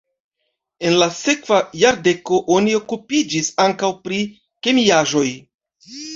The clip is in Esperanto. En la sekva jardeko oni okupiĝis ankaŭ pri kemiaĵoj.